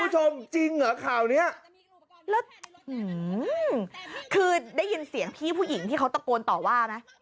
หือคือได้ยินเสียงพี่ผู้หญิงที่เขาตะโกนต่อว่าไหม